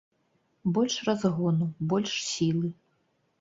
Больш разгону, больш сілы!